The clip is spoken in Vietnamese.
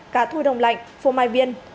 cá thui đông lạnh phô mai viên